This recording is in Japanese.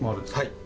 はい。